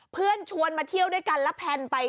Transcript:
ชวนมาเที่ยวด้วยกันแล้วแพนไป